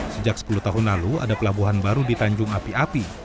sejak sepuluh tahun lalu ada pelabuhan baru di tanjung api api